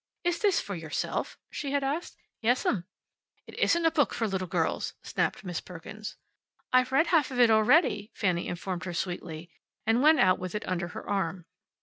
"Is this for yourself?" she had asked. "Yes'm." "It isn't a book for little girls," snapped Miss Perkins. "I've read half of it already," Fanny informed her sweetly. And went out with it under her arm.